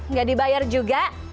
nggak dibayar juga